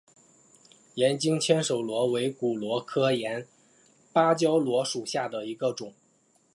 岩棘千手螺为骨螺科岩芭蕉螺属下的一个种。